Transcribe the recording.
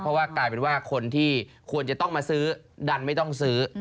เพราะว่ากลายเป็นว่าคนที่ควรจะต้องมาซื้อดันไม่ต้องซื้อ